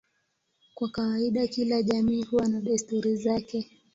Kwa kawaida kila jamii huwa na desturi zake.